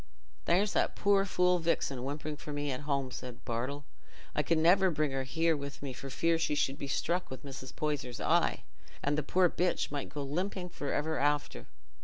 "There's that poor fool, Vixen, whimpering for me at home," said Bartle. "I can never bring her here with me for fear she should be struck with Mrs. Poyser's eye, and the poor bitch might go limping for ever after."